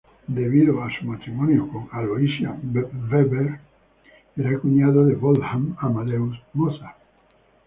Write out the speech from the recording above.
Debido a su matrimonio con Aloysia Weber, era cuñado de Wolfgang Amadeus Mozart.